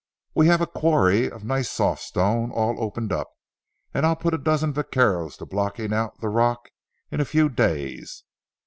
We have a quarry of nice soft stone all opened up, and I'll put a dozen vaqueros to blocking out the rock in a few days.